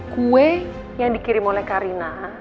kue yang dikirim oleh karina